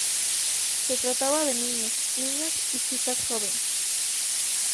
Se trataba de niños, niñas y chicas jóvenes.